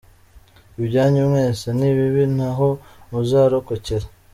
Ibyanyu mwese ni bibi ntaho muzarokokera.